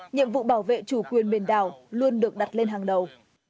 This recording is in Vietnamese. nhiệm vụ bảo vệ chủ quyền biển đảo luôn được đặt lên hàng đầu